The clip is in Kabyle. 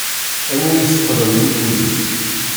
Am wi iseṭṭlen i ugujil.